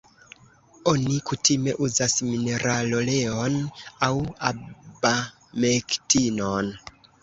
Oni kutime uzas mineraloleon aŭ abamektinon.